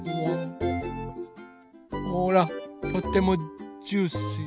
ほらとってもジューシー。